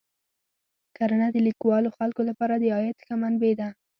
کرنه د کلیوالو خلکو لپاره د عاید ښه منبع ده.